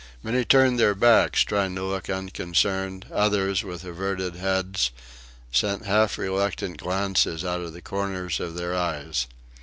Many turned their backs, trying to look unconcerned; others, with averted heads, sent half reluctant glances out of the corners of their eyes.